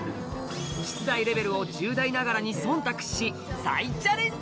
出題レベルを１０代ながらに忖度し再チャレンジ